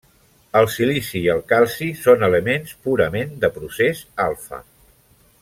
El silici i el calci són elements purament de procés alfa.